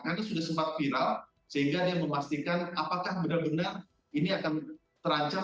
karena sudah sempat viral sehingga dia memastikan apakah benar benar ini akan terancam